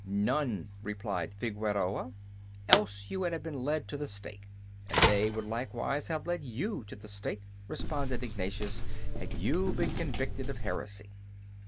"None," replied Figueroa, "else you would have been led to the stake." "And they would likewise have led you to the stake," responded Ignatius, "had you been convicted of heresy."